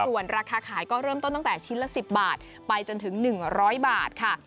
ส่วนราคาขายก็เริ่มต้นตั้งแต่ชิ้นละ๑๐บาทไปจนถึง๑๐๐บาทค่ะ